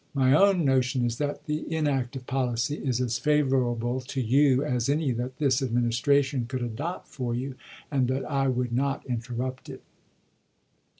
My own no tion is that the inactive policy is as favorable to you as any that this Administration could adopt for you, and that I would not interrupt it.